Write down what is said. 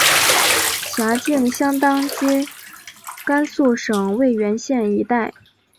辖境相当今甘肃省渭源县一带。